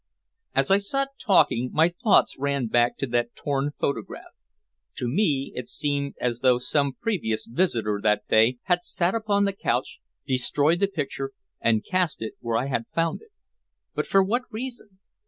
As I sat talking, my thoughts ran back to that torn photograph. To me it seemed as though some previous visitor that day had sat upon the couch, destroyed the picture, and cast it where I had found it. But for what reason?